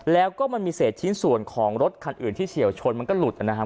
แล้วก็มันมีเศษชิ้นส่วนของรถคันอื่นที่เฉียวชนมันก็หลุดนะครับ